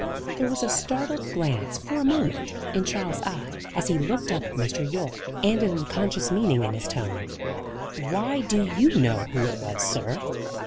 There was a startled glance for a moment in Charles's eye, as he looked up at Mr. Yorke, and an unconscious meaning in his tone. "Why, do you know who it was, sir?"